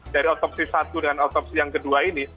dari otopsi satu dan otopsi yang kedua ini